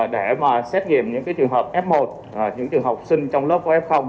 để mà xét nghiệm những trường hợp f một những trường học sinh trong lớp f